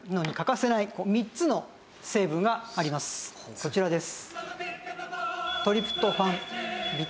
こちらです。